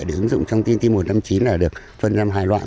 để ứng dụng trong tnt một trăm năm mươi chín là được phân làm hai loại